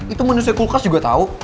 itu manusia kulkas juga tahu